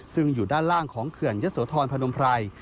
ซึ่งอยู่ด้านล่างของเขื่อนยะโสธรพนมไพร